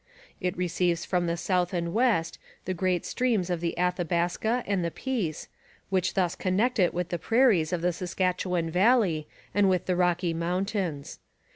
It receives from the south and west the great streams of the Athabaska and the Peace, which thus connect it with the prairies of the Saskatchewan valley and with the Rocky Mountains.